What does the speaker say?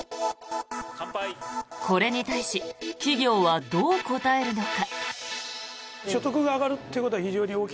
これに対し企業はどう応えるのか。